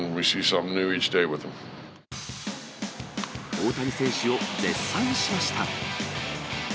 大谷選手を絶賛しました。